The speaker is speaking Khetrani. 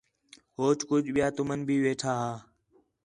ہوچ کُج ٻِیا تُمن بھی ویٹھا ہا